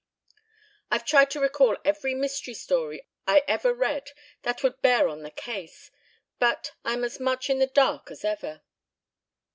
I've tried to recall every mystery story I ever read that would bear on the case, but I'm as much in the dark as ever."